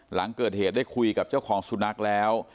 หลังเกิดเหตุได้คุยกับเจ้าของสุนัขแล้ว